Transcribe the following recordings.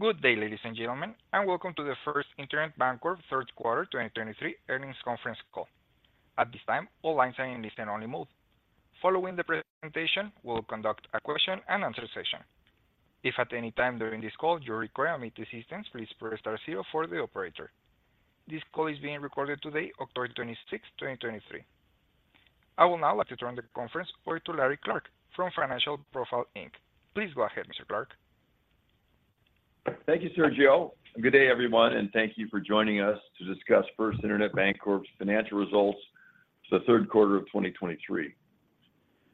Good day, ladies and gentlemen, and welcome to the First Internet Bancorp Q3 2023 earnings conference call. At this time, all lines are in listen-only mode. Following the presentation, we'll conduct a question and answer session. If at any time during this call you require any assistance, please press star zero for the operator. This call is being recorded today, October 26th, 2023. I will now like to turn the conference over to Larry Clark from Financial Profiles, Inc. Please go ahead, Mr. Clark. Thank you, Sergio, and good day, everyone, and thank you for joining us to discuss First Internet Bancorp's financial results for the Q3 of 2023.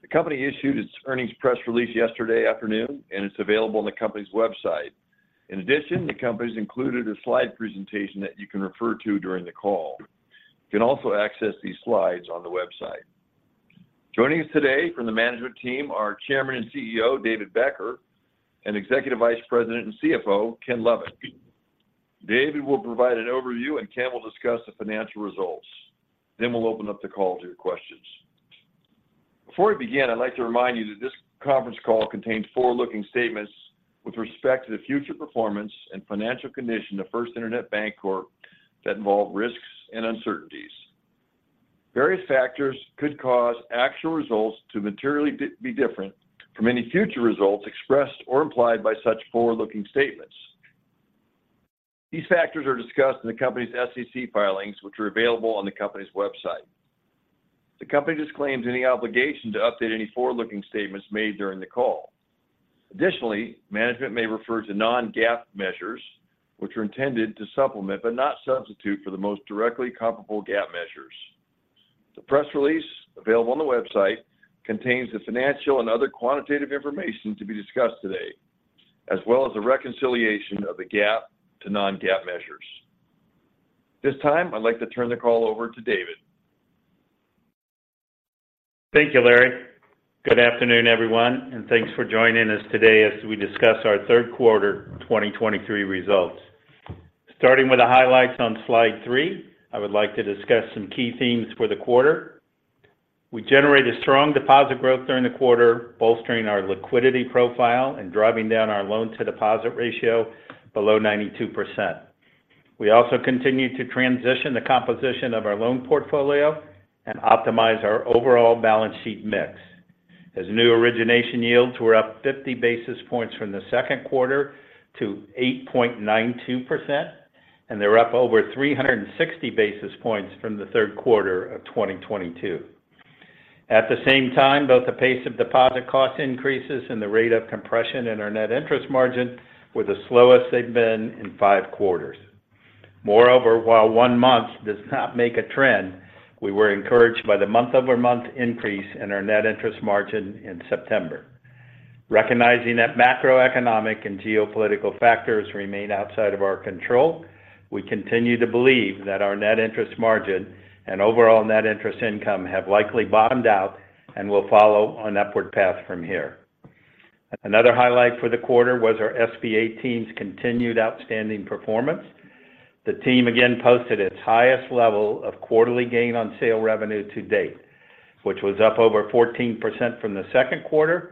The company issued its earnings press release yesterday afternoon, and it's available on the company's website. In addition, the company's included a slide presentation that you can refer to during the call. You can also access these slides on the website. Joining us today from the management team are Chairman and CEO, David Becker, and Executive Vice President and CFO, Ken Lovett. David will provide an overview and Ken will discuss the financial results. Then we'll open up the call to your questions. Before we begin, I'd like to remind you that this conference call contains forward-looking statements with respect to the future performance and financial condition of First Internet Bancorp that involve risks and uncertainties. Various factors could cause actual results to materially be different from any future results expressed or implied by such forward-looking statements. These factors are discussed in the company's SEC filings, which are available on the company's website. The company disclaims any obligation to update any forward-looking statements made during the call. Additionally, management may refer to non-GAAP measures, which are intended to supplement, but not substitute for the most directly comparable GAAP measures. The press release available on the website contains the financial and other quantitative information to be discussed today, as well as a reconciliation of the GAAP to non-GAAP measures. This time, I'd like to turn the call over to David. Thank you, Larry. Good afternoon, everyone, and thanks for joining us today as we discuss our Q3 2023 results. Starting with the highlights on slide 3, I would like to discuss some key themes for the quarter. We generated strong deposit growth during the quarter, bolstering our liquidity profile and driving down our loan to deposit ratio below 92%. We also continued to transition the composition of our loan portfolio and optimize our overall balance sheet mix. As new origination yields were up 50 basis points from the Q2 to 8.92%, and they were up over 360 basis points from the Q3 of 2022. At the same time, both the pace of deposit cost increases and the rate of compression in our net interest margin were the slowest they've been in 5 quarters. Moreover, while one month does not make a trend, we were encouraged by the month-over-month increase in our net interest margin in September. Recognizing that macroeconomic and geopolitical factors remain outside of our control, we continue to believe that our net interest margin and overall net interest income have likely bottomed out and will follow an upward path from here. Another highlight for the quarter was our SBA team's continued outstanding performance. The team again posted its highest level of quarterly gain on sale revenue to date, which was up over 14% from the Q2,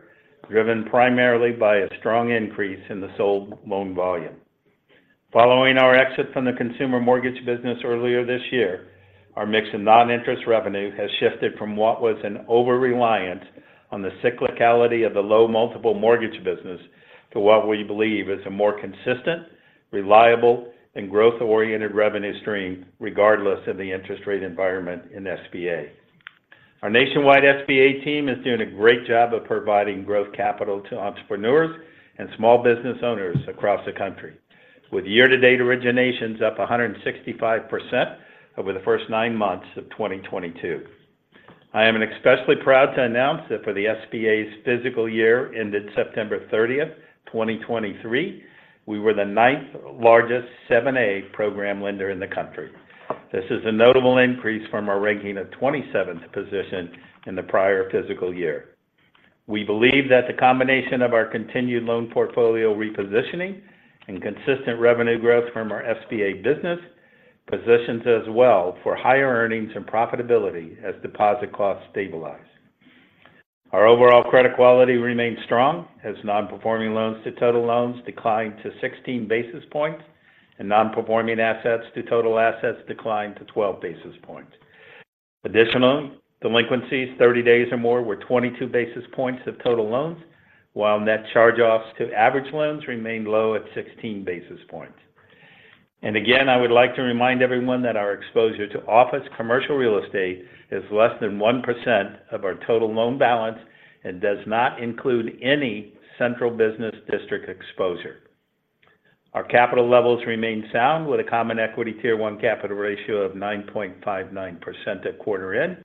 driven primarily by a strong increase in the sold loan volume. Following our exit from the consumer mortgage business earlier this year, our mix of non-interest revenue has shifted from what was an overreliance on the cyclicality of the low-multiple mortgage business to what we believe is a more consistent, reliable, and growth-oriented revenue stream, regardless of the interest rate environment in SBA. Our nationwide SBA team is doing a great job of providing growth capital to entrepreneurs and small business owners across the country, with year-to-date originations up 165% over the first nine months of 2022. I am especially proud to announce that for the SBA's fiscal year ended September 30, 2023, we were the ninth-largest 7(a) program lender in the country. This is a notable increase from our ranking of 27th position in the prior fiscal year. We believe that the combination of our continued loan portfolio repositioning and consistent revenue growth from our SBA business positions us well for higher earnings and profitability as deposit costs stabilize. Our overall credit quality remains strong as non-performing loans to total loans declined to 16 basis points, and non-performing assets to total assets declined to 12 basis points. Additionally, delinquencies 30 days or more were 22 basis points of total loans, while net charge-offs to average loans remained low at 16 basis points. And again, I would like to remind everyone that our exposure to office commercial real estate is less than 1% of our total loan balance and does not include any central business district exposure. Our capital levels remain sound, with a Common Equity Tier 1 capital ratio of 9.59% at quarter end.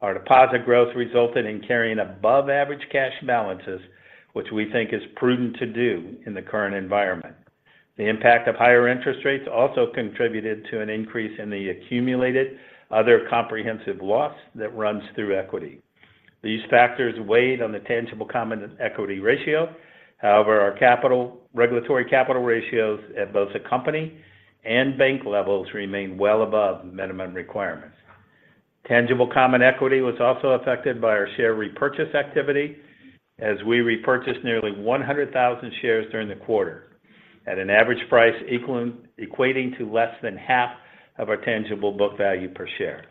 Our deposit growth resulted in carrying above-average cash balances, which we think is prudent to do in the current environment. The impact of higher interest rates also contributed to an increase in the accumulated other comprehensive loss that runs through equity. These factors weighed on the tangible common equity ratio. However, our regulatory capital ratios at both the company and bank levels remain well above minimum requirements. tangible common equity was also affected by our share repurchase activity, as we repurchased nearly 100,000 shares during the quarter at an average price equating to less than half of our tangible book value per share.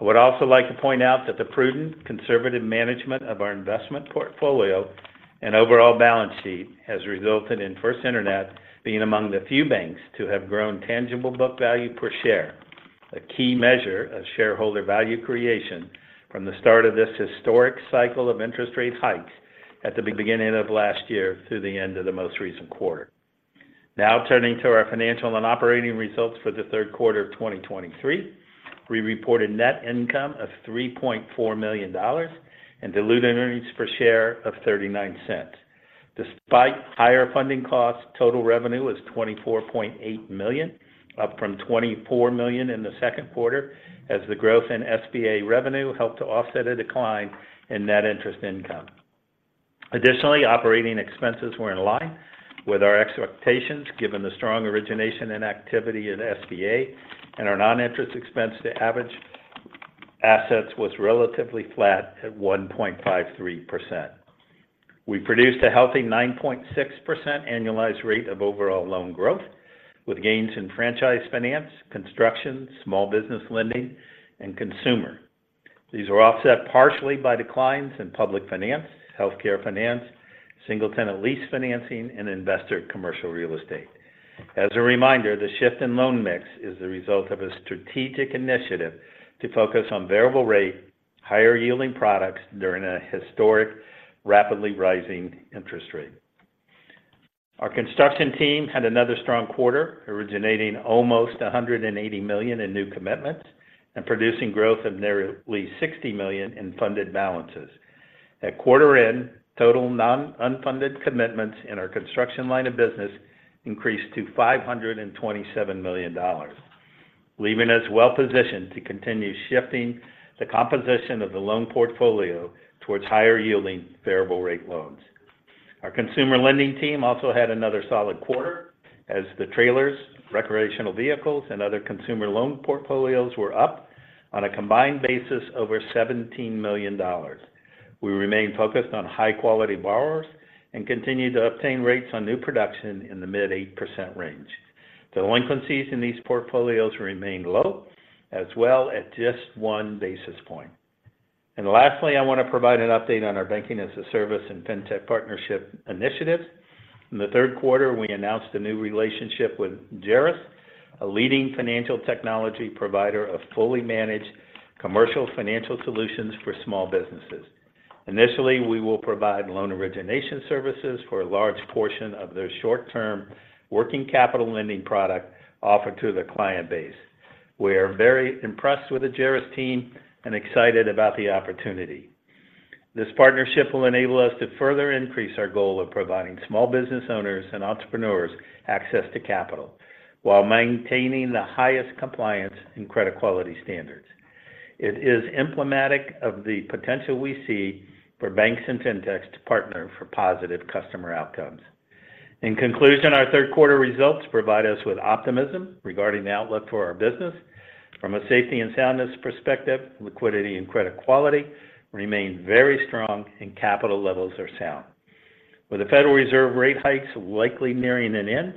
I would also like to point out that the prudent, conservative management of our investment portfolio and overall balance sheet has resulted in First Internet being among the few banks to have grown tangible book value per share, a key measure of shareholder value creation from the start of this historic cycle of interest rate hikes at the beginning of last year through the end of the most recent quarter. Now, turning to our financial and operating results for the Q3 of 2023. We reported net income of $3.4 million and diluted earnings per share of $0.39. Despite higher funding costs, total revenue is $24.8 million, up from $24 million in the Q2, as the growth in SBA revenue helped to offset a decline in net interest income. Additionally, operating expenses were in line with our expectations, given the strong origination and activity in SBA, and our non-interest expense to average assets was relatively flat at 1.53%. We produced a healthy 9.6% annualized rate of overall loan growth, with gains in franchise finance, construction, small business lending, and consumer. These were offset partially by declines in public finance, healthcare finance, single-tenant lease financing, and investor commercial real estate. As a reminder, the shift in loan mix is the result of a strategic initiative to focus on variable rate, higher-yielding products during a historic, rapidly rising interest rate. Our construction team had another strong quarter, originating almost $180 million in new commitments and producing growth of nearly $60 million in funded balances. At quarter end, total non-unfunded commitments in our construction line of business increased to $527 million, leaving us well-positioned to continue shifting the composition of the loan portfolio towards higher-yielding variable rate loans. Our consumer lending team also had another solid quarter, as the trailers, recreational vehicles, and other consumer loan portfolios were up on a combined basis over $17 million. We remain focused on high-quality borrowers and continue to obtain rates on new production in the mid-8% range. Delinquencies in these portfolios remained low as well at just one basis point. Lastly, I want to provide an update on our banking-as-a-service and fintech partnership initiatives. In the Q3, we announced a new relationship with Jaris, a leading financial technology provider of fully managed commercial financial solutions for small businesses. Initially, we will provide loan origination services for a large portion of their short-term working capital lending product offered to their client base. We are very impressed with the Jaris team and excited about the opportunity. This partnership will enable us to further increase our goal of providing small business owners and entrepreneurs access to capital while maintaining the highest compliance and credit quality standards. It is emblematic of the potential we see for banks and fintechs to partner for positive customer outcomes. In conclusion, our Q3 results provide us with optimism regarding the outlook for our business. From a safety and soundness perspective, liquidity and credit quality remain very strong and capital levels are sound. With the Federal Reserve rate hikes likely nearing an end,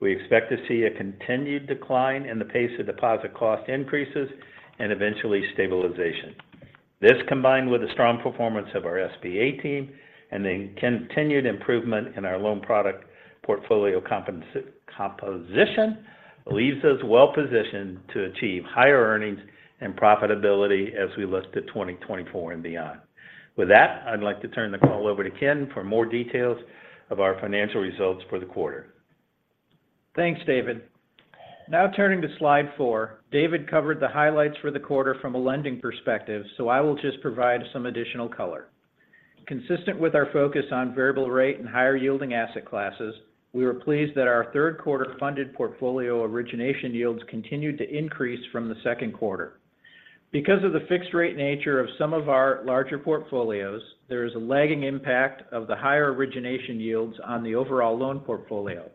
we expect to see a continued decline in the pace of deposit cost increases and eventually stabilization. This, combined with the strong performance of our SBA team and the continued improvement in our loan product portfolio composition, leaves us well positioned to achieve higher earnings and profitability as we look to 2024 and beyond. With that, I'd like to turn the call over to Ken for more details of our financial results for the quarter. Thanks, David. Now turning to slide four. David covered the highlights for the quarter from a lending perspective, so I will just provide some additional color. Consistent with our focus on variable rate and higher-yielding asset classes, we were pleased that our Q3 funded portfolio origination yields continued to increase from the Q2. Because of the fixed rate nature of some of our larger portfolios, there is a lagging impact of the higher origination yields on the overall loan portfolio.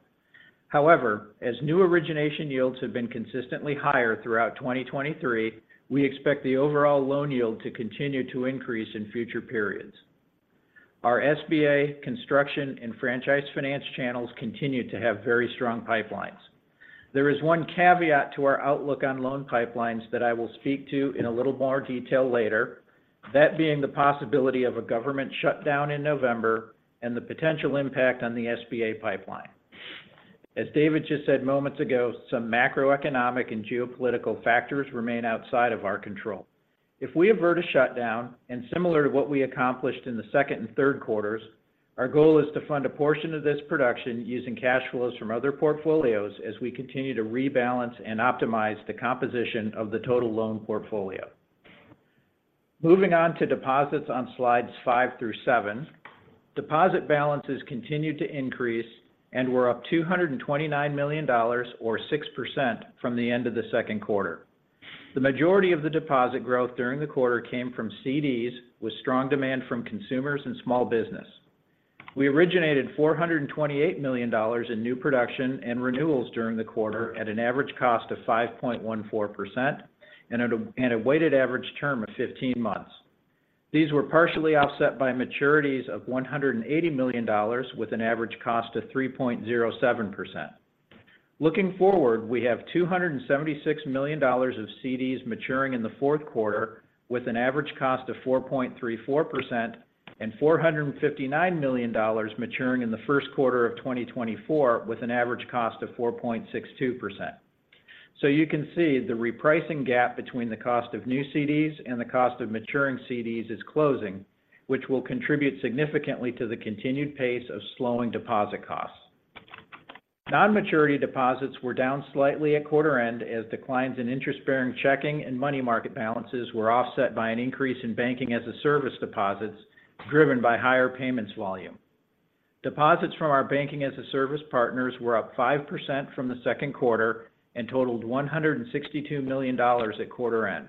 However, as new origination yields have been consistently higher throughout 2023, we expect the overall loan yield to continue to increase in future periods. Our SBA construction and franchise finance channels continue to have very strong pipelines. There is one caveat to our outlook on loan pipelines that I will speak to in a little more detail later, that being the possibility of a government shutdown in November and the potential impact on the SBA pipeline. As David just said moments ago, some macroeconomic and geopolitical factors remain outside of our control. If we avert a shutdown, and similar to what we accomplished in the second and Q3, our goal is to fund a portion of this production using cash flows from other portfolios as we continue to rebalance and optimize the composition of the total loan portfolio. Moving on to deposits on slides 5 through 7. Deposit balances continued to increase and were up $229 million, or 6% from the end of the Q2. The majority of the deposit growth during the quarter came from CDs, with strong demand from consumers and small business. We originated $428 million in new production and renewals during the quarter at an average cost of 5.14%, and a weighted average term of 15 months. These were partially offset by maturities of $180 million, with an average cost of 3.07%. Looking forward, we have $276 million of CDs maturing in the Q4, with an average cost of 4.34%, and $459 million maturing in the Q1 of 2024, with an average cost of 4.62%. So you can see the repricing gap between the cost of new CDs and the cost of maturing CDs is closing, which will contribute significantly to the continued pace of slowing deposit costs. Non-maturity deposits were down slightly at quarter end, as declines in interest-bearing checking and money market balances were offset by an increase in banking-as-a-service deposits, driven by higher payments volume. Deposits from our banking-as-a-service partners were up 5% from the Q2 and totaled $162 million at quarter end.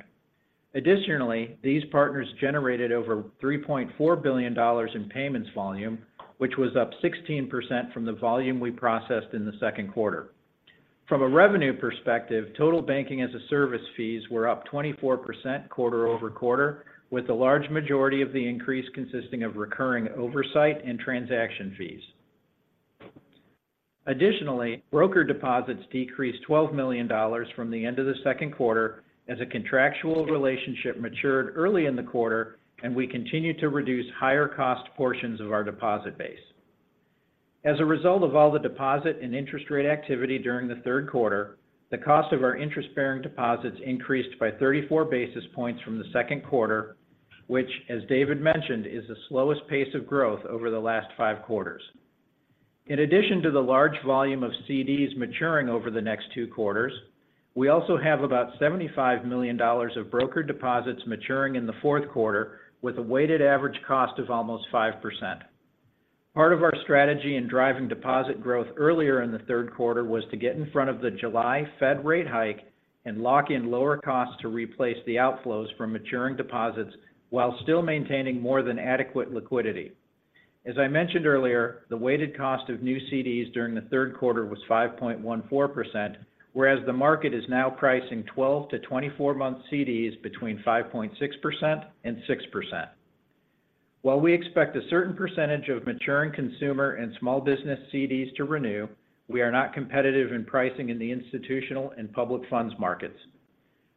Additionally, these partners generated over $3.4 billion in payments volume, which was up 16% from the volume we processed in the Q2. From a revenue perspective, total banking-as-a-service fees were up 24% quarter-over-quarter, with the large majority of the increase consisting of recurring oversight and transaction fees. Additionally, broker deposits decreased $12 million from the end of the Q2 as a contractual relationship matured early in the quarter, and we continued to reduce higher cost portions of our deposit base. As a result of all the deposit and interest rate activity during the Q3, the cost of our interest-bearing deposits increased by 34 basis points from the Q2, which, as David mentioned, is the slowest pace of growth over the last 5 quarters. In addition to the large volume of CDs maturing over the next two quarters, we also have about $75 million of brokered deposits maturing in the Q4, with a weighted average cost of almost 5%. Part of our strategy in driving deposit growth earlier in the Q3 was to get in front of the July Fed rate hike and lock in lower costs to replace the outflows from maturing deposits while still maintaining more than adequate liquidity. As I mentioned earlier, the weighted cost of new CDs during the Q3 was 5.14%, whereas the market is now pricing 12- to 24-month CDs between 5.6% and 6%. While we expect a certain percentage of maturing consumer and small business CDs to renew, we are not competitive in pricing in the institutional and public funds markets.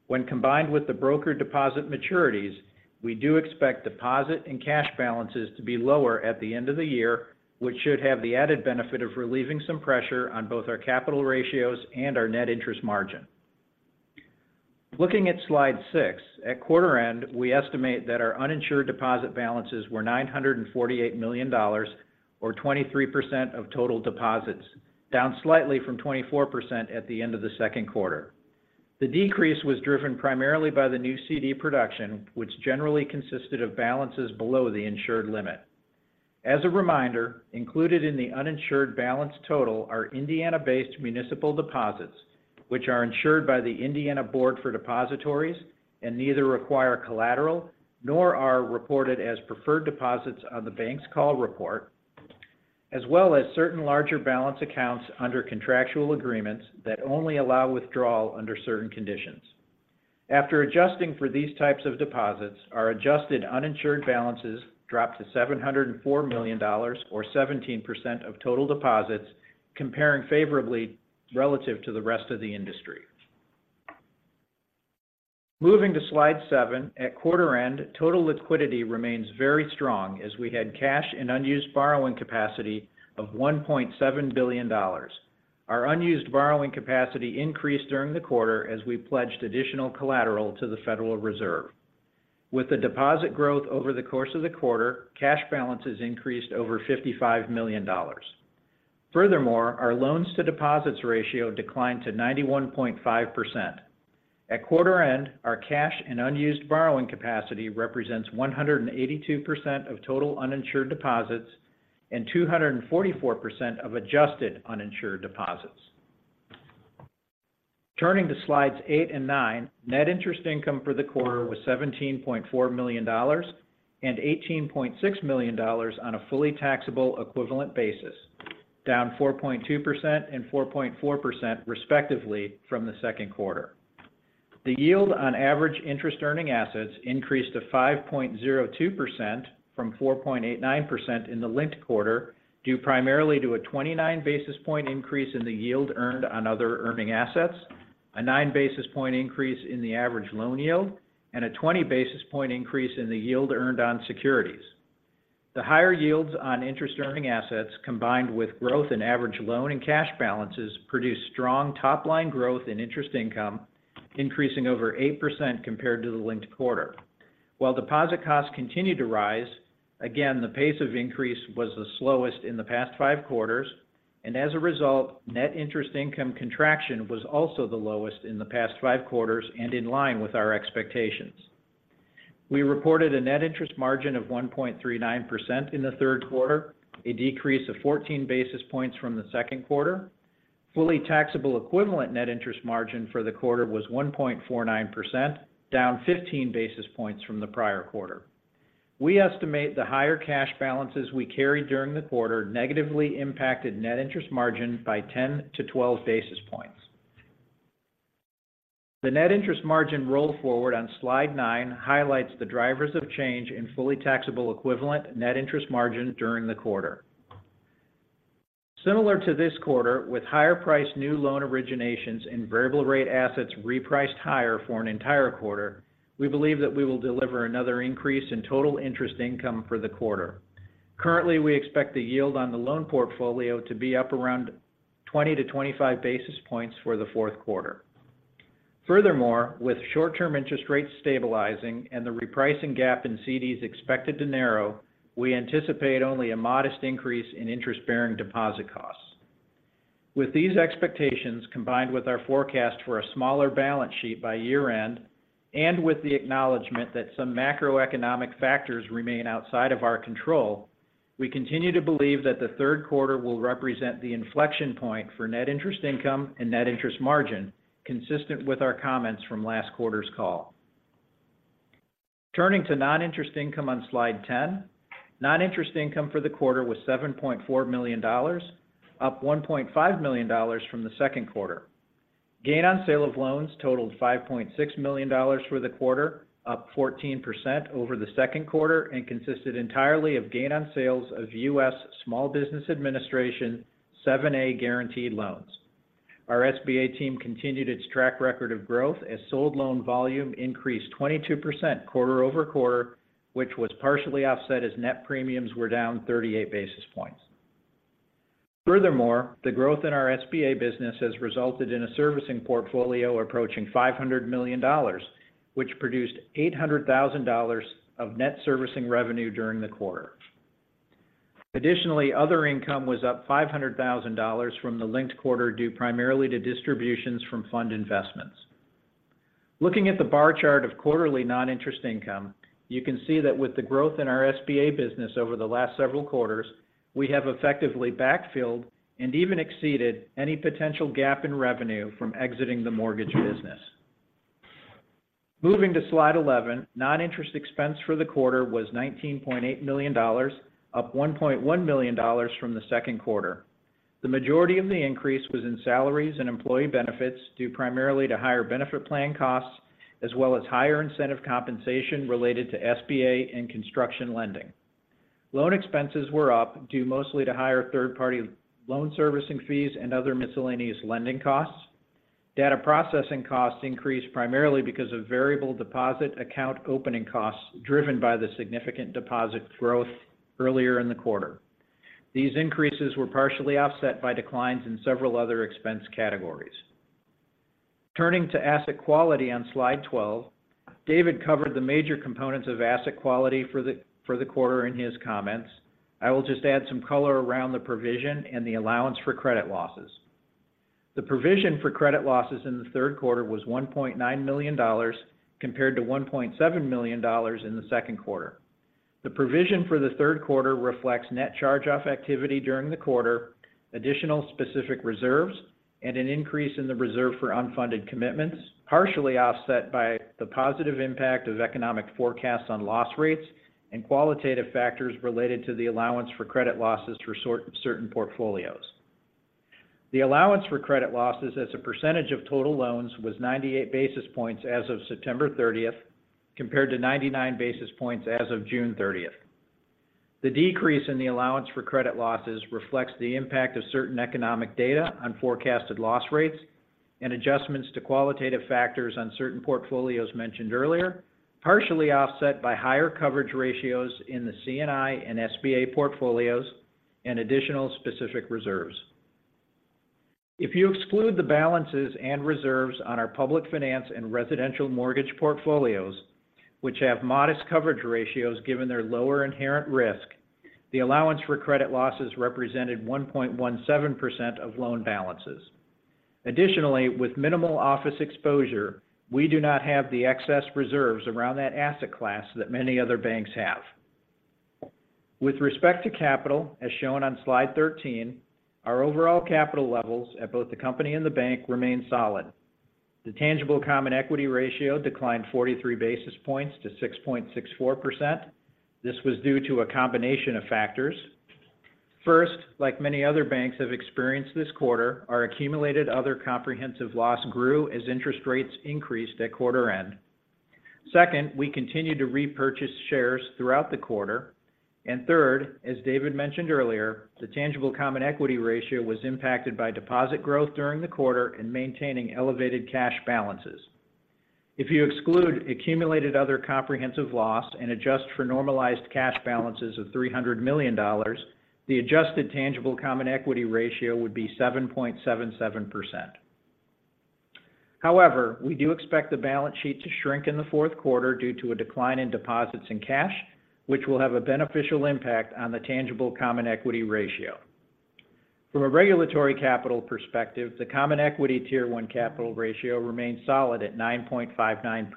When combined with the broker deposit maturities, we do expect deposit and cash balances to be lower at the end of the year, which should have the added benefit of relieving some pressure on both our capital ratios and our net interest margin. Looking at slide 6, at quarter end, we estimate that our uninsured deposit balances were $948 million or 23% of total deposits, down slightly from 24% at the end of the Q2. The decrease was driven primarily by the new CD production, which generally consisted of balances below the insured limit. As a reminder, included in the uninsured balance total are Indiana-based municipal deposits, which are insured by the Indiana Board for Depositories and neither require collateral nor are reported as preferred deposits on the bank's call report, as well as certain larger balance accounts under contractual agreements that only allow withdrawal under certain conditions. After adjusting for these types of deposits, our adjusted uninsured balances dropped to $704 million or 17% of total deposits, comparing favorably relative to the rest of the industry. Moving to slide 7, at quarter end, total liquidity remains very strong as we had cash and unused borrowing capacity of $1.7 billion. Our unused borrowing capacity increased during the quarter as we pledged additional collateral to the Federal Reserve. With the deposit growth over the course of the quarter, cash balances increased over $55 million. Furthermore, our loans to deposits ratio declined to 91.5%. At quarter end, our cash and unused borrowing capacity represents 182% of total uninsured deposits and 244% of adjusted uninsured deposits. Turning to slides 8 and 9, net interest income for the quarter was $17.4 million and $18.6 million on a fully taxable equivalent basis, down 4.2% and 4.4% respectively from the Q2. The yield on average interest earning assets increased to 5.02% from 4.89% in the linked quarter, due primarily to a 29 basis point increase in the yield earned on other earning assets, a 9 basis point increase in the average loan yield, and a 20 basis point increase in the yield earned on securities. The higher yields on interest earning assets, combined with growth in average loan and cash balances, produced strong top-line growth in interest income, increasing over 8% compared to the linked quarter. While deposit costs continued to rise again, the pace of increase was the slowest in the past five quarters, and as a result, net interest income contraction was also the lowest in the past five quarters and in line with our expectations. We reported a net interest margin of 1.39% in the Q3, a decrease of 14 basis points from the Q2. Fully taxable equivalent net interest margin for the quarter was 1.49%, down 15 basis points from the prior quarter. We estimate the higher cash balances we carried during the quarter negatively impacted net interest margin by 10-12 basis points. The net interest margin roll forward on slide nine highlights the drivers of change in fully taxable equivalent net interest margin during the quarter. Similar to this quarter, with higher priced new loan originations and variable rate assets repriced higher for an entire quarter, we believe that we will deliver another increase in total interest income for the quarter. Currently, we expect the yield on the loan portfolio to be up around 20-25 basis points for the Q4. Furthermore, with short-term interest rates stabilizing and the repricing gap in CDs expected to narrow, we anticipate only a modest increase in interest-bearing deposit costs. With these expectations, combined with our forecast for a smaller balance sheet by year-end, and with the acknowledgment that some macroeconomic factors remain outside of our control, we continue to believe that the Q3 will represent the inflection point for net interest income and net interest margin, consistent with our comments from last quarter's call. Turning to non-interest income on slide 10. Non-interest income for the quarter was $7.4 million, up $1.5 million from the Q2. Gain on sale of loans totaled $5.6 million for the quarter, up 14% over the Q2, and consisted entirely of gain on sales of U.S. Small Business Administration 7(a) Guaranteed loans. Our SBA team continued its track record of growth as sold loan volume increased 22% quarter-over-quarter, which was partially offset as net premiums were down 38 basis points. Furthermore, the growth in our SBA business has resulted in a servicing portfolio approaching $500 million, which produced $800,000 of net servicing revenue during the quarter. Additionally, other income was up $500,000 from the linked quarter, due primarily to distributions from fund investments. Looking at the bar chart of quarterly non-interest income, you can see that with the growth in our SBA business over the last several quarters, we have effectively backfilled and even exceeded any potential gap in revenue from exiting the mortgage business. Moving to slide 11, non-interest expense for the quarter was $19.8 million, up $1.1 million from the Q2. The majority of the increase was in salaries and employee benefits, due primarily to higher benefit plan costs, as well as higher incentive compensation related to SBA and construction lending. Loan expenses were up, due mostly to higher third-party loan servicing fees and other miscellaneous lending costs. Data processing costs increased primarily because of variable deposit account opening costs, driven by the significant deposit growth earlier in the quarter. These increases were partially offset by declines in several other expense categories. Turning to asset quality on Slide 12, David covered the major components of asset quality for the quarter in his comments. I will just add some color around the provision and the allowance for credit losses. The provision for credit losses in the Q3 was $1.9 million, compared to $1.7 million in the second quarter. The provision for the Q3 reflects net charge-off activity during the quarter, additional specific reserves, and an increase in the reserve for unfunded commitments, partially offset by the positive impact of economic forecasts on loss rates and qualitative factors related to the allowance for credit losses for certain portfolios. The allowance for credit losses as a percentage of total loans was 98 basis points as of September thirtieth, compared to 99 basis points as of June thirtieth. The decrease in the allowance for credit losses reflects the impact of certain economic data on forecasted loss rates and adjustments to qualitative factors on certain portfolios mentioned earlier, partially offset by higher coverage ratios in the CNI and SBA portfolios and additional specific reserves. If you exclude the balances and reserves on our public finance and residential mortgage portfolios, which have modest coverage ratios given their lower inherent risk, the allowance for credit losses represented 1.17% of loan balances. Additionally, with minimal office exposure, we do not have the excess reserves around that asset class that many other banks have. With respect to capital, as shown on Slide 13, our overall capital levels at both the company and the bank remain solid. The tangible common equity ratio declined 43 basis points to 6.64%. This was due to a combination of factors. First, like many other banks have experienced this quarter, our accumulated other comprehensive loss grew as interest rates increased at quarter end. Second, we continued to repurchase shares throughout the quarter. As David mentioned earlier, the tangible common equity ratio was impacted by deposit growth during the quarter and maintaining elevated cash balances. If you exclude accumulated other comprehensive loss and adjust for normalized cash balances of $300 million, the adjusted tangible common equity ratio would be 7.77%. However, we do expect the balance sheet to shrink in the Q4 due to a decline in deposits and cash, which will have a beneficial impact on the tangible common equity ratio. From a regulatory capital perspective, the common equity Tier 1 capital ratio remains solid at 9.59%.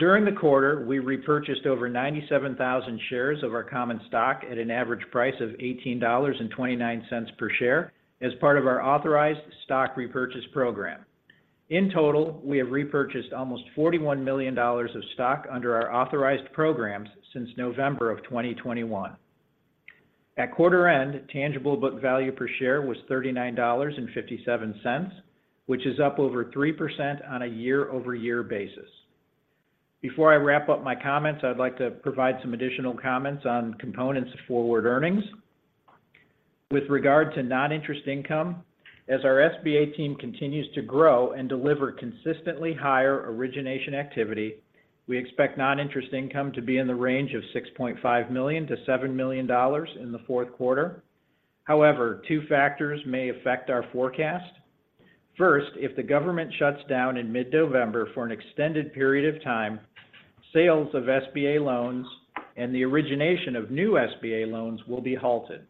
During the quarter, we repurchased over 97,000 shares of our common stock at an average price of $18.29 per share as part of our authorized stock repurchase program. In total, we have repurchased almost $41 million of stock under our authorized programs since November of 2021. At quarter end, tangible book value per share was $39.57, which is up over 3% on a year-over-year basis. Before I wrap up my comments, I'd like to provide some additional comments on components of forward earnings. With regard to non-interest income, as our SBA team continues to grow and deliver consistently higher origination activity, we expect non-interest income to be in the range of $6.5 million to 7 million in the Q4. However, two factors may affect our forecast. First, if the government shuts down in mid-November for an extended period of time, sales of SBA loans and the origination of new SBA loans will be halted.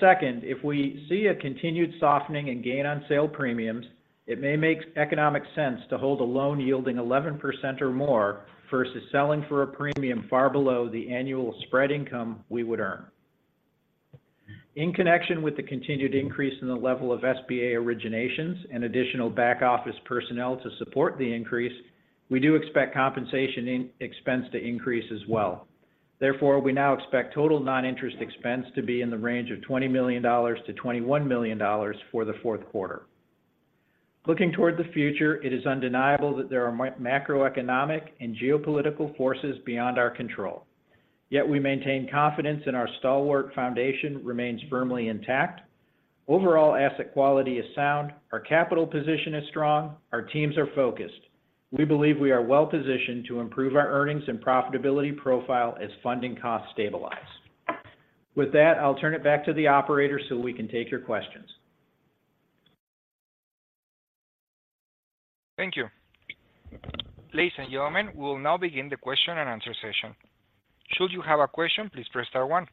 Second, if we see a continued softening and gain on sale premiums, it may make economic sense to hold a loan yielding 11% or more versus selling for a premium far below the annual spread income we would earn. In connection with the continued increase in the level of SBA originations and additional back office personnel to support the increase, we do expect compensation expense to increase as well. Therefore, we now expect total non-interest expense to be in the range of $20 million to 21 million for the Q4. Looking toward the future, it is undeniable that there are macroeconomic and geopolitical forces beyond our control, yet we maintain confidence in our stalwart foundation remains firmly intact. Overall, asset quality is sound, our capital position is strong, our teams are focused. We believe we are well positioned to improve our earnings and profitability profile as funding costs stabilize. With that, I'll turn it back to the operator so we can take your questions. Thank you. Ladies and gentlemen, we will now begin the question and answer session. Should you have a question, please press star one.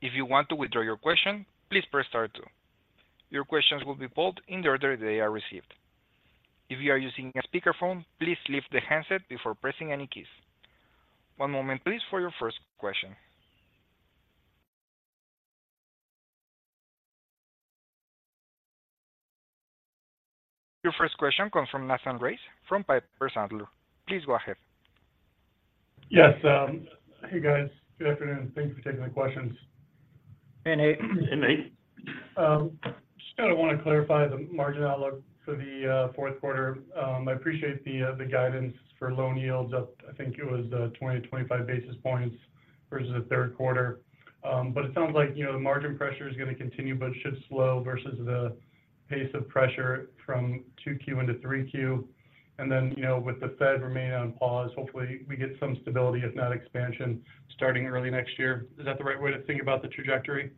If you want to withdraw your question, please press star two. Your questions will be pulled in the order they are received. If you are using a speakerphone, please lift the handset before pressing any keys. One moment, please, for your first question. Your first question comes from Nathan Race from Piper Sandler. Please go ahead. Yes, hey, guys. Good afternoon. Thank you for taking the questions. Hey, Nate. Hey, Nate. Just kind of want to clarify the margin outlook for the Q4. I appreciate the guidance for loan yields up, I think it was 20-25 basis points versus the Q3. But it sounds like, you know, the margin pressure is going to continue but should slow versus the pace of pressure from 2Q into 3Q. And then, you know, with the Fed remaining on pause, hopefully we get some stability, if not expansion, starting early next year. Is that the right way to think about the trajectory?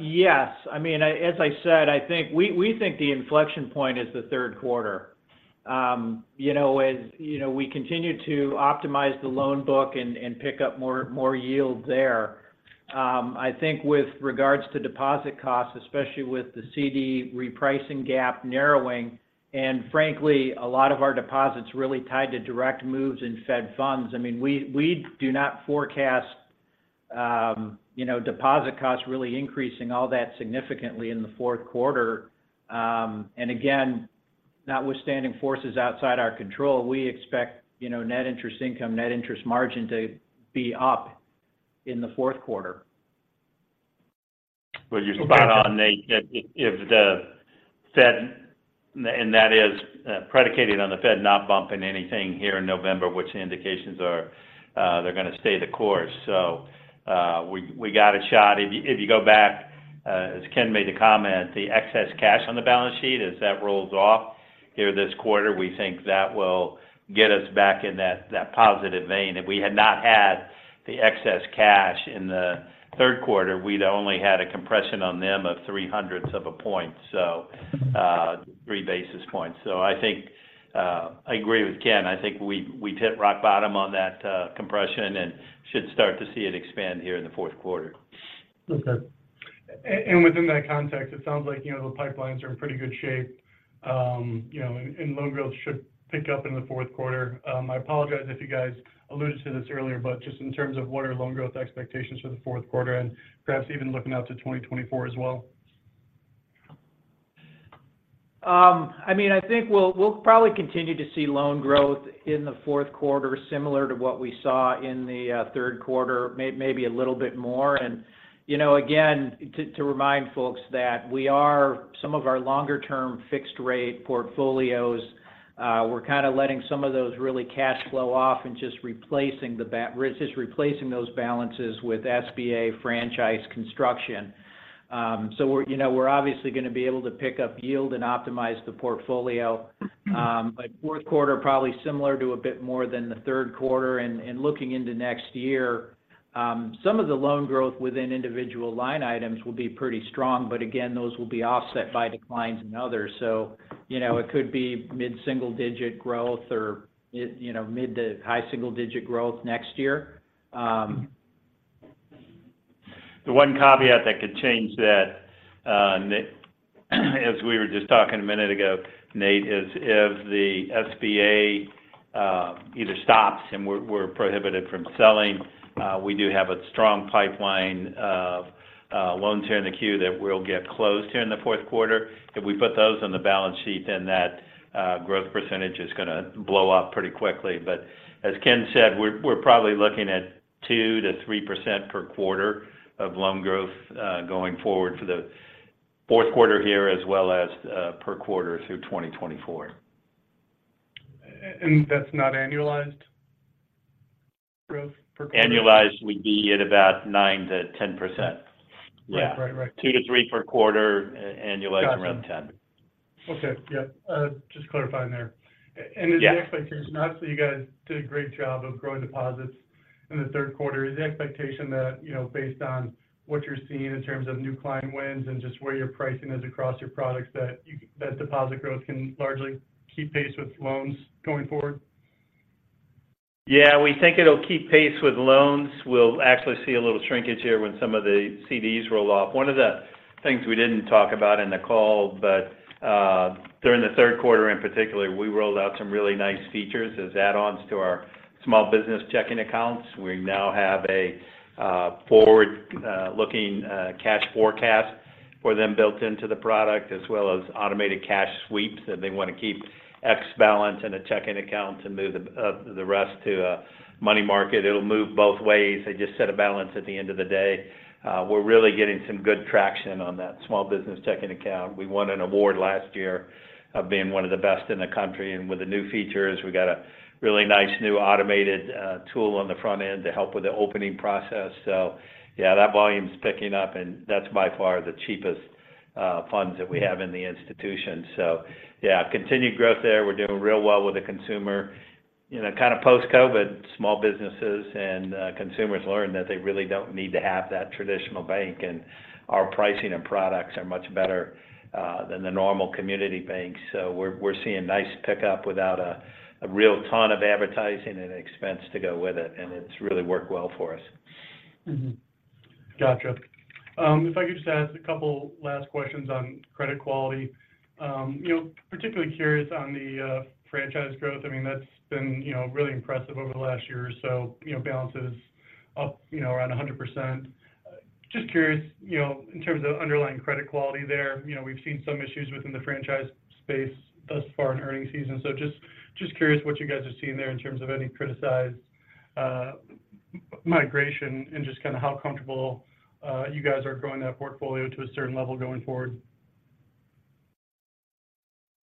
Yes. I mean, as I said, I think we, we think the inflection point is the Q3. You know, as, you know, we continue to optimize the loan book and, and pick up more, more yield there. I think with regards to deposit costs, especially with the CD repricing gap narrowing, and frankly, a lot of our deposits really tied to direct moves in Fed funds. I mean, we, we do not forecast, you know, deposit costs really increasing all that significantly in the Q4. And again, notwithstanding forces outside our control, we expect, you know, net interest income, net interest margin to be up in the Q4. Well, you're spot on, Nate. If the Fed—and that is predicated on the Fed not bumping anything here in November, which the indications are, they're going to stay the course. So, we got a shot. If you go back, as Ken made the comment, the excess cash on the balance sheet as that rolls off here this quarter, we think that will get us back in that positive vein. If we had not had the excess cash in the Q3, we'd only had a compression on them of 3 hundredths of a point, so, 3 basis points. So I think, I agree with Ken. I think we hit rock bottom on that compression and should start to see it expand here in the Q4. Okay. Within that context, it sounds like, you know, the pipelines are in pretty good shape, you know, and loan growth should pick up in the Q4. I apologize if you guys alluded to this earlier, but just in terms of what are loan growth expectations for the Q4 and perhaps even looking out to 2024 as well? I mean, I think we'll probably continue to see loan growth in the Q4, similar to what we saw in the Q3, maybe a little bit more. And, you know, again, to remind folks that we are-- some of our longer-term fixed rate portfolios, we're kind of letting some of those really cash flow off and just replacing the ba- we're just replacing those balances with SBA franchise construction. You know, we're obviously going to be able to pick up yield and optimize the portfolio. Q4 probably similar to a bit more than the Q3. And, looking into next year, some of the loan growth within individual line items will be pretty strong, but again, those will be offset by declines in others. So, you know, it could be mid-single digit growth or it, you know, mid to high single digit growth next year. ... The one caveat that could change that, that as we were just talking a minute ago, Nate, is if the SBA either stops and we're prohibited from selling, we do have a strong pipeline of loans here in the queue that will get closed here in the Q4. If we put those on the balance sheet, then that growth percentage is gonna blow up pretty quickly. But as Ken said, we're probably looking at 2 to 3% per quarter of loan growth going forward for the Q4 here, as well as per quarter through 2024. That's not annualized growth per quarter? Annualized, we'd be at about 9 to 10%. Yeah. Right. Right. 2-3 per quarter, annualize around 10. Got you. Okay. Yep. Just clarifying there. Yeah. Is the expectation, obviously, you guys did a great job of growing deposits in the Q3. Is the expectation that, you know, based on what you're seeing in terms of new client wins and just where your pricing is across your products, that you, that deposit growth can largely keep pace with loans going forward? Yeah, we think it'll keep pace with loans. We'll actually see a little shrinkage here when some of the CDs roll off. One of the things we didn't talk about in the call, but during the Q3, in particular, we rolled out some really nice features as add-ons to our small business checking accounts. We now have a forward looking cash forecast for them built into the product, as well as automated cash sweeps, that they want to keep X balance in a checking account to move the rest to a money market. It'll move both ways. They just set a balance at the end of the day. We're really getting some good traction on that small business checking account. We won an award last year of being one of the best in the country, and with the new features, we got a really nice, new automated tool on the front end to help with the opening process. So yeah, that volume is picking up, and that's by far the cheapest funds that we have in the institution. So yeah, continued growth there. We're doing real well with the consumer. You know, kind of post-COVID, small businesses and consumers learned that they really don't need to have that traditional bank, and our pricing and products are much better than the normal community bank. So we're, we're seeing nice pickup without a, a real ton of advertising and expense to go with it, and it's really worked well for us. Mm-hmm. Gotcha. If I could just ask a couple last questions on credit quality. You know, particularly curious on the franchise growth. I mean, that's been, you know, really impressive over the last year or so. You know, balance is up, you know, around 100%. Just curious, you know, in terms of underlying credit quality there, you know, we've seen some issues within the franchise space thus far in earnings season. So just curious what you guys are seeing there in terms of any criticized migration and just kind of how comfortable you guys are growing that portfolio to a certain level going forward?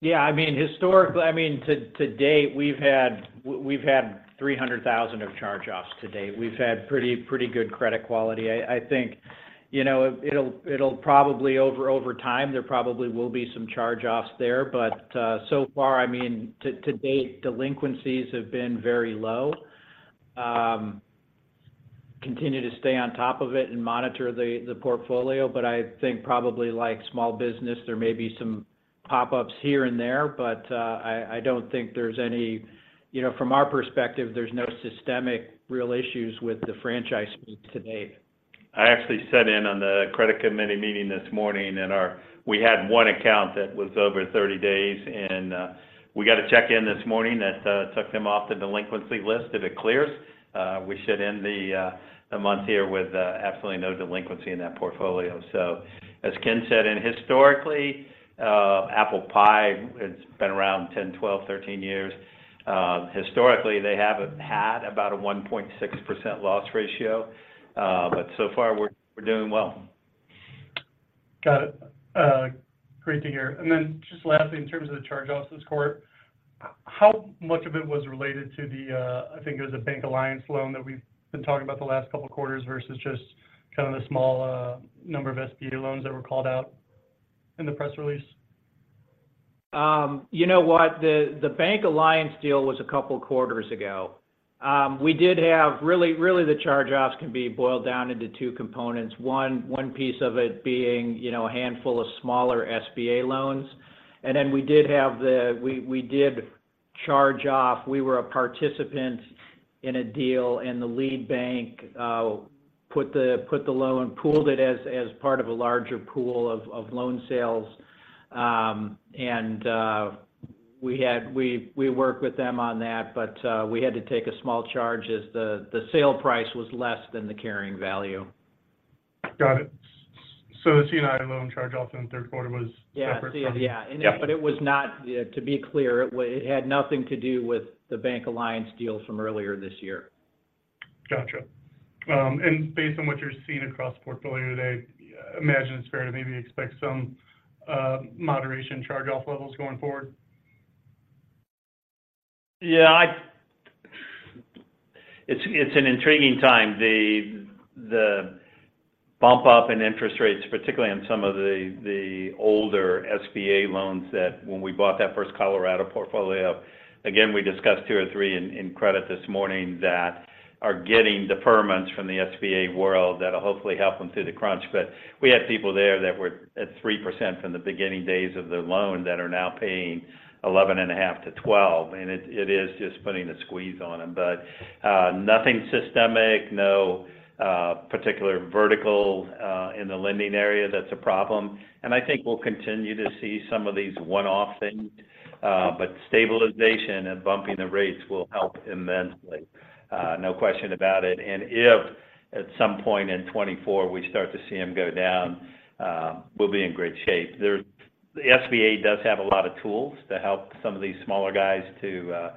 Yeah, I mean, historically, I mean, to date, we've had, we've had $300,000 of charge-offs to date. We've had pretty, pretty good credit quality. I think, you know, it'll, it'll probably over time, there probably will be some charge-offs there. So far, I mean, to date, delinquencies have been very low. Continue to stay on top of it and monitor the portfolio, but I think probably like small business, there may be some pop-ups here and there. I don't think there's any... You know, from our perspective, there's no systemic, real issues with the franchise to date. I actually sat in on the credit committee meeting this morning, and we had one account that was over 30 days, and we got a check-in this morning that took them off the delinquency list. If it clears, we should end the month here with absolutely no delinquency in that portfolio. As Ken said, and historically, ApplePie, it's been around 10, 12, 13 years. Historically, they have had about a 1.6% loss ratio, but so far, we're doing well. Got it. Great to hear. Lastly, in terms of the charge-offs this quarter, how much of it was related to the, I think it was a BankAlliance loan that we've been talking about the last couple of quarters, versus just kind of the small number of SBA loans that were called out in the press release? You know what? The BankAlliance deal was a couple of quarters ago. We did have—really, really, the charge-offs can be boiled down into two components. One, one piece of it being, you know, a handful of smaller SBA loans, and then we did have the—we, we did charge off. We were a participant in a deal, and the lead bank put the loan, pooled it as part of a larger pool of loan sales. We had—we worked with them on that, but we had to take a small charge as the sale price was less than the carrying value. Got it. So the C&I loan charge-off in the Q3 was- Yeah. - separate from- Yeah. Yeah. Yeah, to be clear, it had nothing to do with the BankAlliance deal from earlier this year. Gotcha. And based on what you're seeing across the portfolio today, I imagine it's fair to maybe expect some moderation charge-off levels going forward? Yeah, it's, it's an intriguing time. The bump up in interest rates, particularly on some of the older SBA loans, that when we bought that first Colorado portfolio, again, we discussed two or three in credit this morning, that are getting deferments from the SBA world that'll hopefully help them through the crunch. We had people there that were at 3% from the beginning days of their loan, that are now paying 11.5 to 12%, and it is just putting the squeeze on them. Nothing systemic, no particular vertical in the lending area, that's a problem. I think we'll continue to see some of these one-off things, but stabilization and bumping the rates will help immensely. No question about it. And if at some point in 2024, we start to see them go down, we'll be in great shape. There the SBA does have a lot of tools to help some of these smaller guys to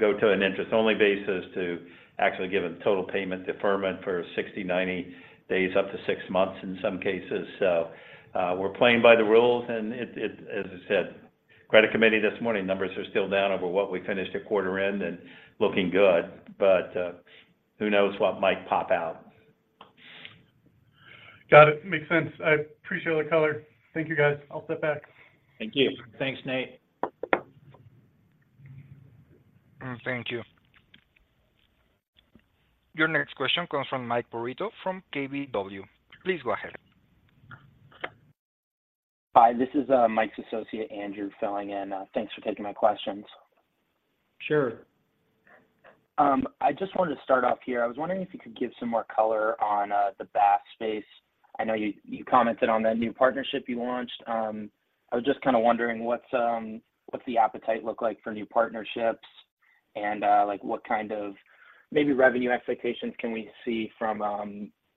go to an interest-only basis, to actually give a total payment deferment for 60, 90 days, up to six months in some cases. So, we're playing by the rules, and as I said, credit committee this morning, numbers are still down over what we finished at quarter end and looking good, but who knows what might pop out? Got it. Makes sense. I appreciate all the color. Thank you, guys. I'll step back. Thank you. Thanks, Nate. Thank you. Your next question comes from Mike Perito from KBW. Please go ahead. Hi, this is Mike's associate, Andrew, filling in. Thanks for taking my questions. Sure. I just wanted to start off here. I was wondering if you could give some more color on the BaaS space. I know you commented on the new partnership you launched. I was just kind of wondering what's the appetite look like for new partnerships? Like, what kind of maybe revenue expectations can we see from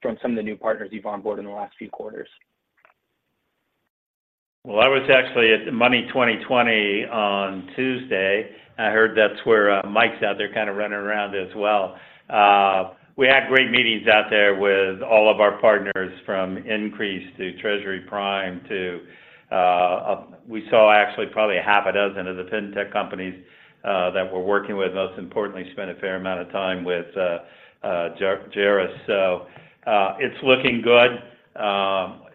some of the new partners you've onboarded in the last few quarters? Well, I was actually at the Money20/20 on Tuesday. I heard that's where Mike's out there kind of running around as well. We had great meetings out there with all of our partners, from Increase to Treasury Prime, to we saw actually probably a half a dozen of the fintech companies that we're working with. Most importantly, spent a fair amount of time with Jaris. So, it's looking good.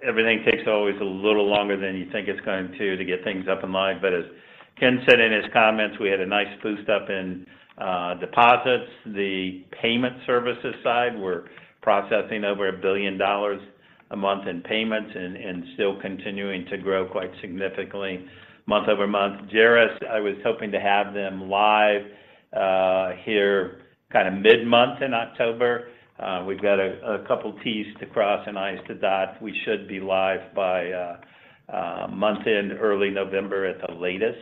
Everything takes always a little longer than you think it's going to, to get things up and running. But as Ken said in his comments, we had a nice boost up in deposits. The payment services side, we're processing over $1 billion a month in payments and still continuing to grow quite significantly month-over-month. Jaris, I was hoping to have them live here kind of mid-month in October. We've got a couple T's to cross and I's to dot. We should be live by month end, early November at the latest.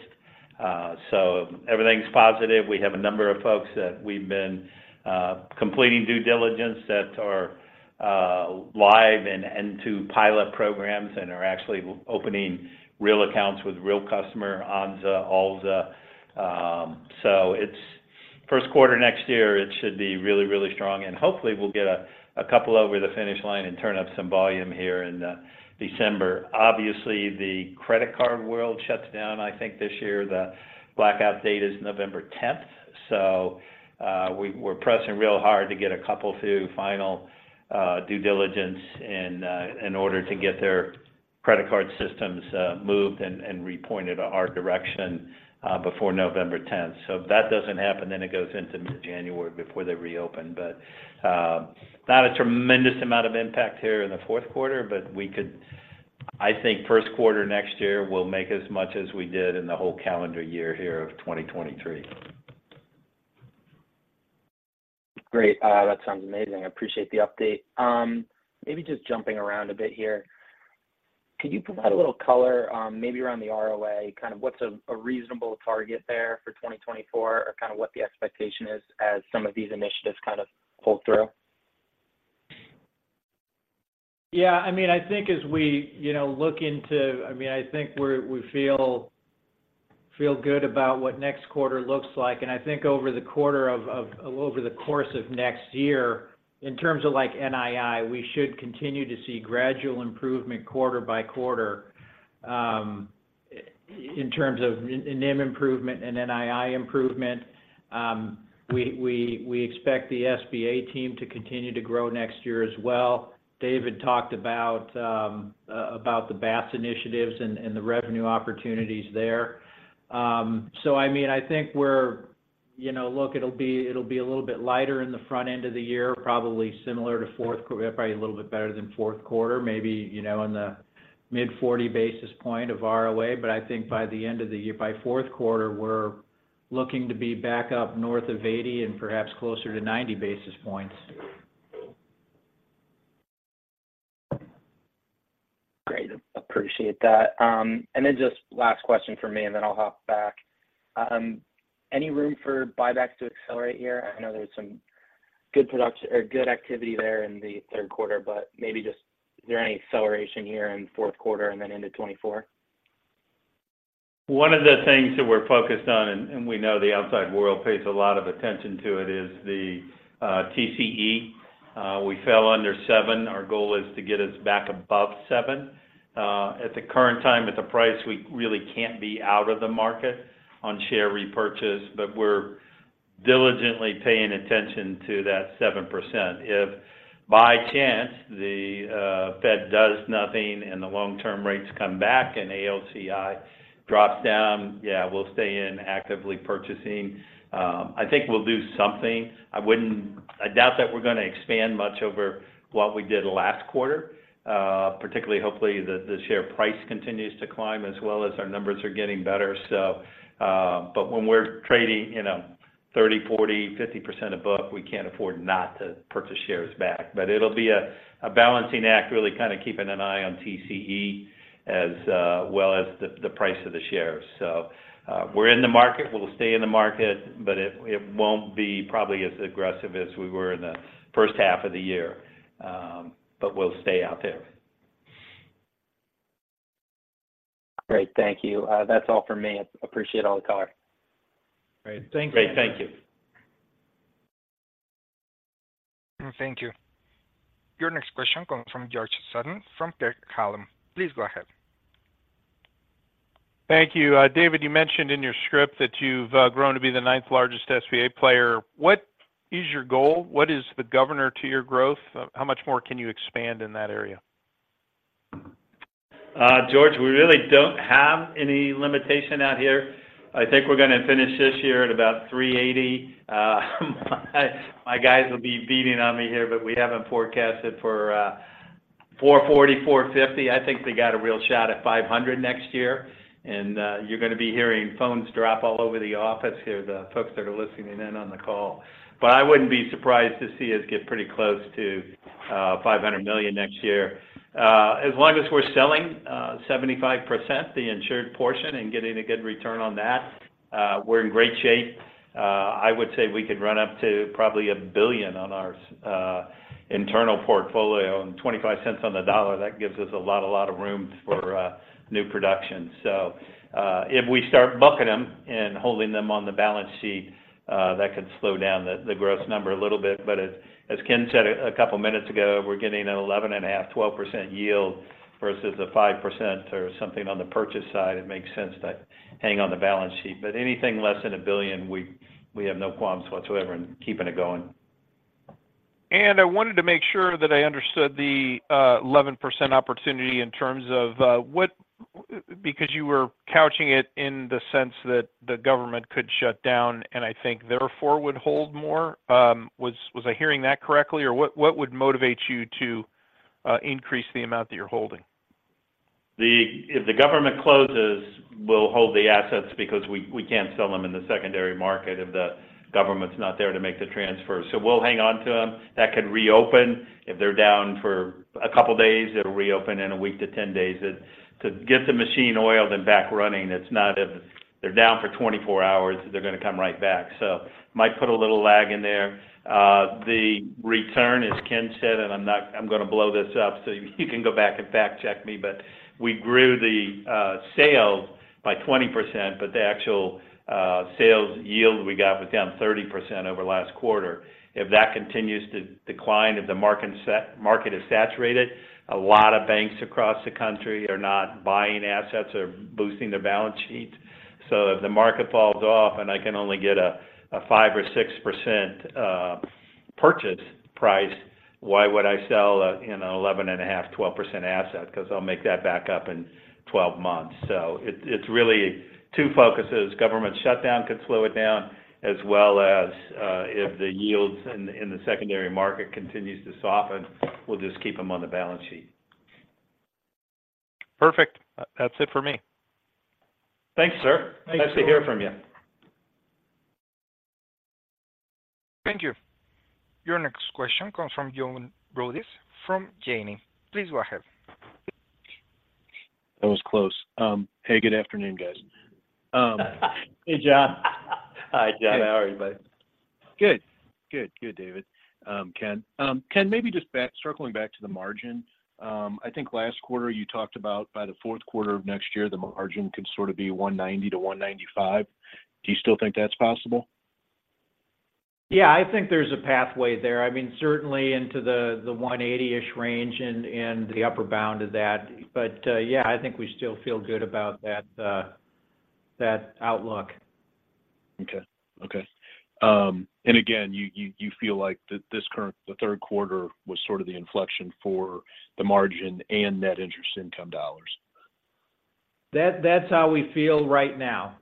So everything's positive. We have a number of folks that we've been completing due diligence that are live and into pilot programs and are actually opening real accounts with real customer, Alza. So it's first quarter next year, it should be really, really strong, and hopefully we'll get a couple over the finish line and turn up some volume here in December. Obviously, the credit card world shuts down, I think, this year. The blackout date is November tenth. So, we're pressing real hard to get a couple through final due diligence in order to get their credit card systems moved and repointed in our direction before November tenth. So if that doesn't happen, then it goes into mid-January before they reopen. But not a tremendous amount of impact here in the fourth quarter, but we could, I think first quarter next year will make as much as we did in the whole calendar year here of 2023. Great. That sounds amazing. I appreciate the update. Maybe just jumping around a bit here. Could you provide a little color, maybe around the ROA, kind of what's a reasonable target there for 2024, or kind of what the expectation is as some of these initiatives kind of pull through? Yeah, I mean, I think as we, you know, look into, I mean, I think we're, we feel good about what next quarter looks like, and I think over the course of next year, in terms of, like, NII, we should continue to see gradual improvement quarter by quarter. In terms of NIM improvement and NII improvement, we expect the SBA team to continue to grow next year as well. David talked about, about the BaaS initiatives and the revenue opportunities there. So I mean, I think we're, you know, look, it'll be a little bit lighter in the front end of the year, probably similar to fourth quarter, probably a little bit better than fourth quarter, maybe, you know, in the mid-40 basis point of ROA. I think by the end of the year, by fourth quarter, we're looking to be back up north of 80 and perhaps closer to 90 basis points. Great. Appreciate that. And then just last question for me, and then I'll hop back. Any room for buybacks to accelerate here? I know there's some good product—or good activity there in the third quarter, but maybe just, is there any acceleration here in the fourth quarter and then into 2024? One of the things that we're focused on, and, and we know the outside world pays a lot of attention to it, is the TCE. We fell under 7. Our goal is to get us back above 7. At the current time, at the price, we really can't be out of the market on share repurchase, but we're diligently paying attention to that 7%. If by chance, the Fed does nothing and the long-term rates come back and ALCI drops down, yeah, we'll stay in actively purchasing. I think we'll do something. I wouldn't-- I doubt that we're going to expand much over what we did last quarter, particularly, hopefully, the share price continues to climb as well as our numbers are getting better. So, but when we're trading, you know-... 30, 40, 50% of book, we can't afford not to purchase shares back. But it'll be a balancing act, really kind of keeping an eye on TCE as well as the price of the shares. So, we're in the market, we'll stay in the market, but it won't be probably as aggressive as we were in the first half of the year, but we'll stay out there. Great. Thank you. That's all for me. I appreciate all the color. Great. Thanks. Great. Thank you. Thank you. Your next question comes from George Sutton from Craig-Hallum Capital Group. Please go ahead. Thank you. David, you mentioned in your script that you've grown to be the ninth largest SBA player. What is your goal? What governs your growth? How much more can you expand in that area? George, we really don't have any limitation out here. I think we're gonna finish this year at about $380 million. My guys will be beating on me here, but we haven't forecasted for 440 million to 450 million. I think they got a real shot at $500 million next year, and you're gonna be hearing phones drop all over the office here, the folks that are listening in on the call. I wouldn't be surprised to see us get pretty close to $500 million next year. As long as we're selling 75%, the insured portion, and getting a good return on that, we're in great shape. I would say we could run up to probably $1 billion on our internal portfolio, and $0.25 on the dollar, that gives us a lot, a lot of room for new production. So, if we start bucking them and holding them on the balance sheet, that could slow down the gross number a little bit. But as Ken said a couple of minutes ago, we're getting an 11.5 to 12% yield versus a 5% or something on the purchase side. It makes sense to hang on the balance sheet. But anything less than $1 billion, we have no qualms whatsoever in keeping it going. I wanted to make sure that I understood the 11% opportunity in terms of what—because you were couching it in the sense that the government could shut down, and I think therefore would hold more. Was I hearing that correctly? Or what would motivate you to increase the amount that you're holding? If the government closes, we'll hold the assets because we can't sell them in the secondary market if the government's not there to make the transfer. So we'll hang on to them. That could reopen. If they're down for a couple of days, it'll reopen in a week to 10 days. To get the machine oiled and back running, it's not if they're down for 24 hours, they're gonna come right back. So might put a little lag in there. The return, as Ken said, and I'm not-- I'm gonna blow this up, so you can go back and fact-check me, but we grew the sales by 20%, but the actual sales yield we got was down 30% over last quarter. If that continues to decline, if the market is saturated, a lot of banks across the country are not buying assets or boosting their balance sheet. So if the market falls off and I can only get a 5% or 6% purchase price, why would I sell a, you know, 11.5%, 12% asset? Because I'll make that back up in 12 months. So it's really two focuses: government shutdown could slow it down, as well as if the yields in the secondary market continues to soften, we'll just keep them on the balance sheet. Perfect. That's it for me. Thanks, sir. Thank you. Nice to hear from you. Thank you. Your next question comes from John Rodis from Janney. Please go ahead. That was close. Hey, good afternoon, guys. Hey, John. Hi, John. How are you, bud? Good. Good, good, David, Ken. Ken, maybe just circling back to the margin. I think last quarter you talked about by the fourth quarter of next year, the margin could sort of be 1.90-1.95. Do you still think that's possible? Yeah, I think there's a pathway there. I mean, certainly into the 180-ish range and the upper bound of that. But, yeah, I think we still feel good about that outlook. Okay. Okay. You feel like this current, the third quarter was sort of the inflection for the margin and net interest income dollars? That's how we feel right now.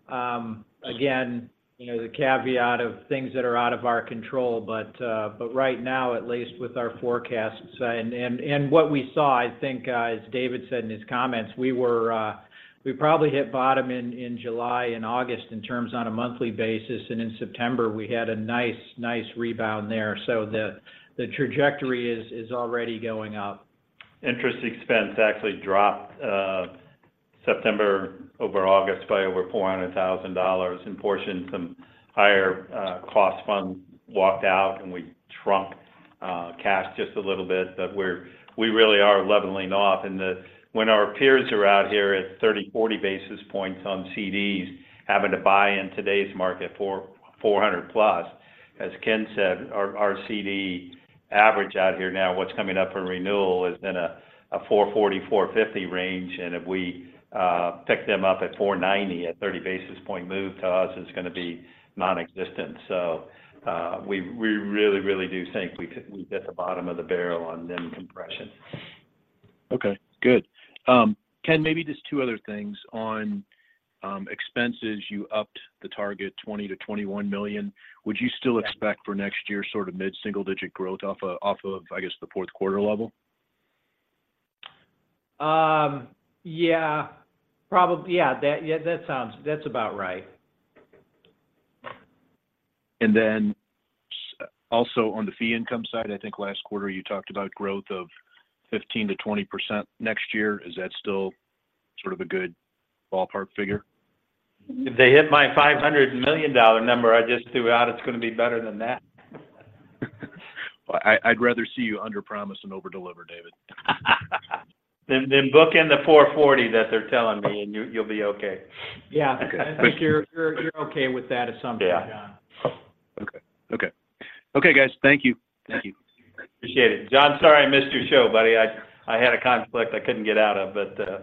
Again, you know, the caveat of things that are out of our control, but right now, at least with our forecasts and what we saw, I think, as David said in his comments, we were, we probably hit bottom in July and August in terms on a monthly basis, and in September, we had a nice, nice rebound there. The trajectory is already going up. Interest expense actually dropped September over August by over $400,000. In portion, some higher cost funds walked out, and we trunked cash just a little bit, but we really are leveling off. When our peers are out here at 30, 40 basis points on CDs, having to buy in today's market for 400 plus, as Ken said, our CD average out here now, what's coming up for renewal, is in a 440-450 range, and if we pick them up at 490, a 30 basis point move to us is gonna be nonexistent. We really, really do think we've hit the bottom of the barrel on NIM compression. Okay, good. Ken, maybe just two other things. On expenses, you upped the target to $20 million to 21 million. Would you still expect for next year, sort of mid-single-digit growth off of, I guess, the fourth quarter level? Yeah, probably. Yeah, that sounds—that's about right. And then also on the fee income side, I think last quarter you talked about growth of 15 to 20% next year. Is that still sort of a good ballpark figure? If they hit my $500 million number I just threw out, it's gonna be better than that. Well, I'd rather see you underpromise and overdeliver, David. Then book in the 440 that they're telling me, and you, you'll be okay. Yeah. Okay. I think you're okay with that assumption, John. Yeah. Okay. Okay. Okay, guys. Thank you. Thank you. Appreciate it. John, sorry I missed your show, buddy. I had a conflict I couldn't get out of, but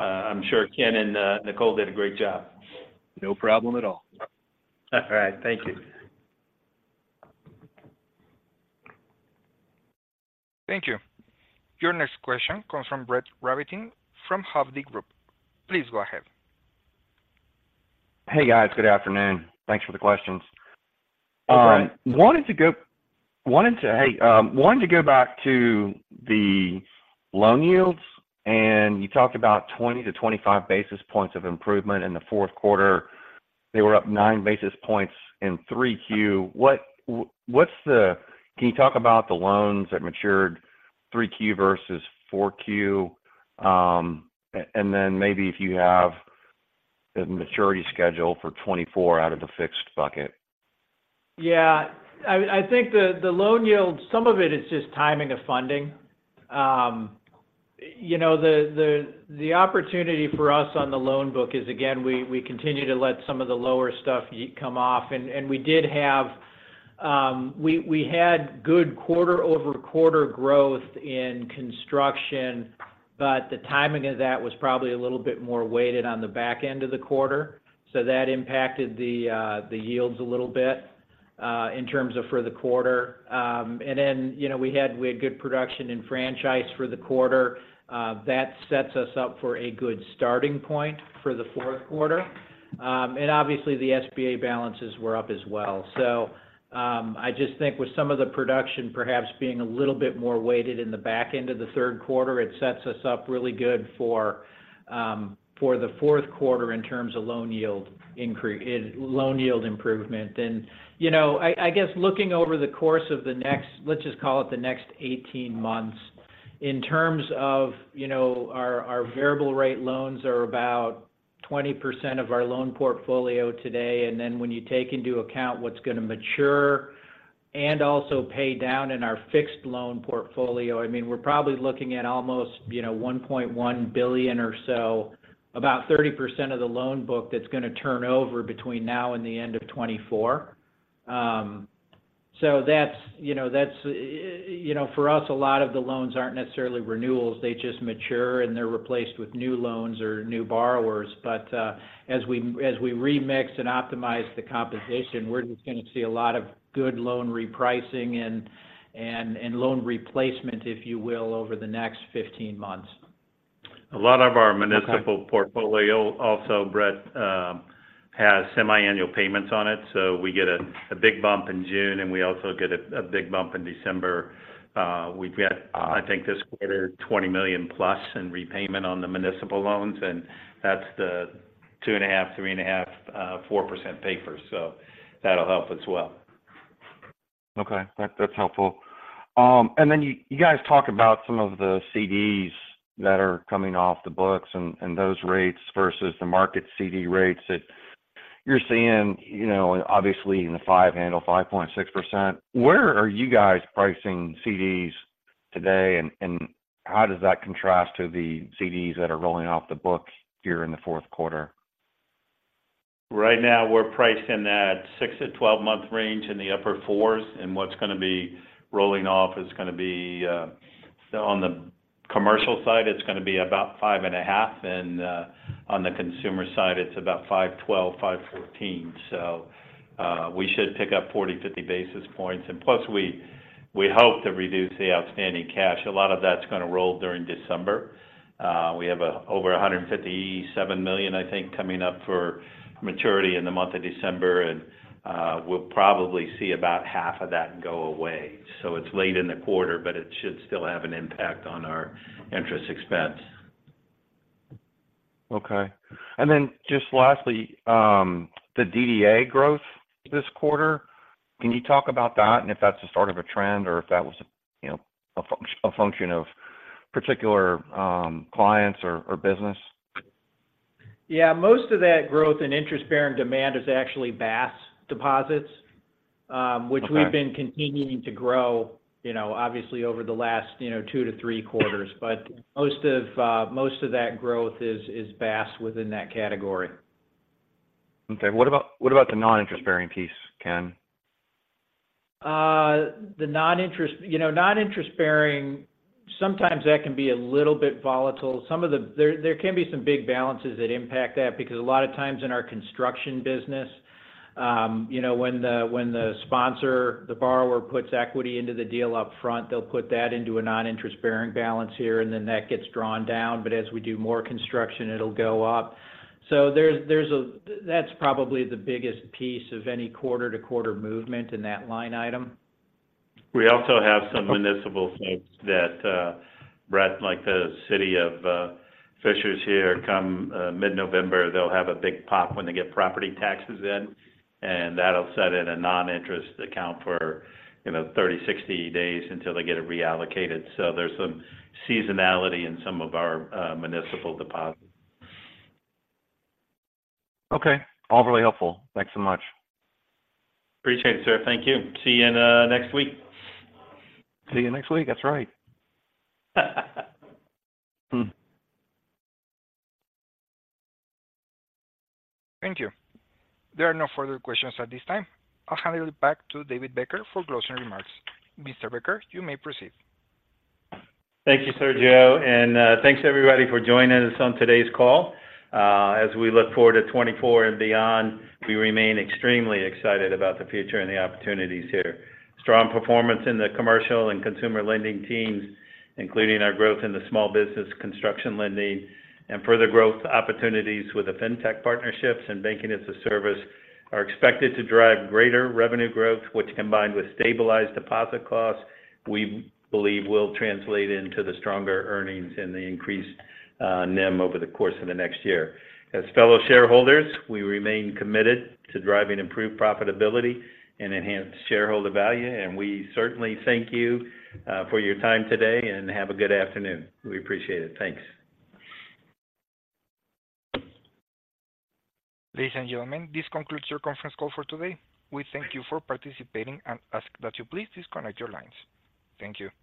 I'm sure Ken and Nicole did a great job. No problem at all. All right. Thank you. Thank you. Your next question comes from Brett Rabatin from Hovde Group. Please go ahead. Hey, guys. Good afternoon. Thanks for the questions. Hi. Wanted to go back to the loan yields, and you talked about 20-25 basis points of improvement in the fourth quarter. They were up 9 basis points in 3Q. Can you talk about the loans that matured 3Q versus 4Q? And then maybe if you have the maturity schedule for 2024 out of the fixed bucket. Yeah. I think the loan yield, some of it is just timing of funding. You know, the opportunity for us on the loan book is, again, we continue to let some of the lower stuff come off. We did have... We had good quarter-over-quarter growth in construction, but the timing of that was probably a little bit more weighted on the back end of the quarter, so that impacted the yields a little bit in terms of for the quarter. You know, we had good production in franchise for the quarter. That sets us up for a good starting point for the fourth quarter. Obviously, the SBA balances were up as well. So, I just think with some of the production perhaps being a little bit more weighted in the back end of the third quarter, it sets us up really good for the fourth quarter in terms of loan yield improvement. And, you know, I guess looking over the course of the next, let's just call it the next eighteen months, in terms of, you know, our variable rate loans are about 20% of our loan portfolio today. And then when you take into account what's gonna mature and also pay down in our fixed loan portfolio, I mean, we're probably looking at almost, you know, $1.1 billion or so, about 30% of the loan book that's gonna turn over between now and the end of 2024. So that's, you know, that's... You know, for us, a lot of the loans aren't necessarily renewals. They just mature, and they're replaced with new loans or new borrowers. But as we remix and optimize the composition, we're just gonna see a lot of good loan repricing and loan replacement, if you will, over the next 15 months. A lot of our municipal- Okay Portfolio also, Brett, has semiannual payments on it, so we get a big bump in June, and we also get a big bump in December. We've got, I think this quarter, $20 million+ in repayment on the municipal loans, and that's the 2.5, 3.5, 4% paper, so that'll help as well. Okay. That's helpful. And then you guys talk about some of the CDs that are coming off the books and those rates versus the market CD rates that you're seeing, you know, obviously in the five handle, 5.6%. Where are you guys pricing CDs today, and how does that contrast to the CDs that are rolling off the books here in the fourth quarter? Right now, we're pricing that 6- to 12-month range in the upper fours, and what's gonna be rolling off is gonna be... So on the commercial side, it's gonna be about 5.5, and on the consumer side, it's about 5.12, 5.14. So we should pick up 40-50 basis points. And plus, we hope to reduce the outstanding cash. A lot of that's gonna roll during December. We have over $157 million, I think, coming up for maturity in the month of December, and we'll probably see about half of that go away. So it's late in the quarter, but it should still have an impact on our interest expense. Okay. And then just lastly, the DDA growth this quarter, can you talk about that and if that's the start of a trend or if that was, you know, a function of particular clients or business? Yeah. Most of that growth in interest-bearing demand is actually BaaS deposits, Okay... which we've been continuing to grow, you know, obviously over the last, you know, 2-3 quarters. But most of, most of that growth is, is BaaS within that category. Okay. What about, what about the non-interest-bearing piece, Ken? The non-interest... You know, non-interest-bearing, sometimes that can be a little bit volatile. Some of the-- There can be some big balances that impact that because a lot of times in our construction business, you know, when the sponsor, the borrower, puts equity into the deal up front, they'll put that into a non-interest-bearing balance here, and then that gets drawn down. But as we do more construction, it'll go up. So there's a-- that's probably the biggest piece of any quarter-to-quarter movement in that line item. We also have some municipal notes that, Brett, like the City of Fishers here, come, mid-November, they'll have a big pop when they get property taxes in, and that'll set in a non-interest account for, you know, 30, 60 days until they get it reallocated. So there's some seasonality in some of our, municipal deposits. Okay. All really helpful. Thanks so much. Appreciate it, sir. Thank you. See you in next week. See you next week. That's right. Thank you. There are no further questions at this time. I'll hand it back to David Becker for closing remarks. Mr. Becker, you may proceed. Thank you, Sergio, and, thanks everybody for joining us on today's call. As we look forward to 2024 and beyond, we remain extremely excited about the future and the opportunities here. Strong performance in the commercial and consumer lending teams, including our growth in the small business construction lending and further growth opportunities with the fintech partnerships and banking-as-a-service, are expected to drive greater revenue growth, which, combined with stabilized deposit costs, we believe will translate into the stronger earnings and the increased NIM over the course of the next year. As fellow shareholders, we remain committed to driving improved profitability and enhanced shareholder value, and we certainly thank you, for your time today, and have a good afternoon. We appreciate it. Thanks. Ladies and gentlemen, this concludes your conference call for today. We thank you for participating and ask that you please disconnect your lines. Thank you.